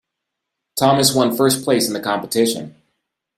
Thomas one first place in the competition.